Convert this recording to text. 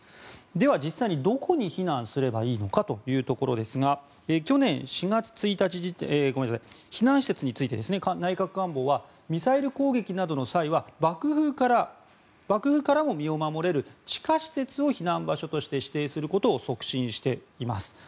では、実際にどこに避難すればいいのかというところですが避難施設について内閣官房はミサイル攻撃などの際は爆風からも身を守れる地下施設を避難場所として指定することを促進しています。